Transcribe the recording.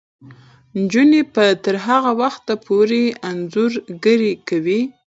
نجونې به تر هغه وخته پورې انځورګري کوي.